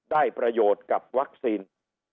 ได้ประโยชน์กับวัคซีน